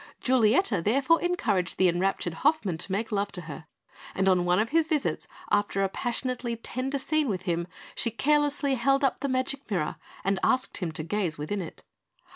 Giulietta therefore encouraged the enraptured Hoffmann to make love to her; and on one of his visits, after a passionately tender scene with him, she carelessly held up the magic mirror and asked him to gaze within it.